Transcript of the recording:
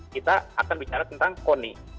kita akan bicara tentang koni